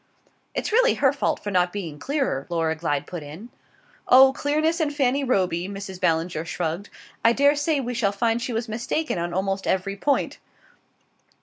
"It's really her fault for not being clearer," Laura Glyde put in. "Oh, clearness and Fanny Roby!" Mrs. Ballinger shrugged. "I daresay we shall find she was mistaken on almost every point."